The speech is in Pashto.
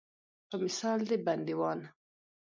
په مثال د بندیوان.